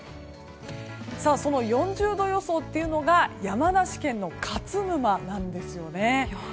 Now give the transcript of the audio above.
その４０度予想というのが山梨県の勝沼なんですよね。